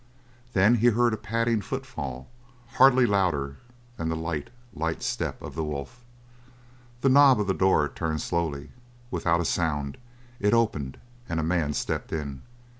Then he heard a padding footfall, hardly louder than the light, light step of the wolf. The knob of the door turned slowly, without a sound; it opened, and a man stepped in.